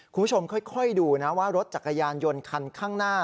คุณผู้ชมค่อยดูนะว่ารถจักรยานยนต์คันข้างหน้า